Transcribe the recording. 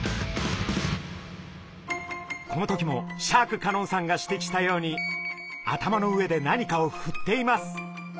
この時もシャーク香音さんが指摘したように頭の上で何かをふっています。